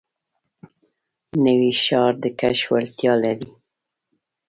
نوی ښار د کشف وړتیا لري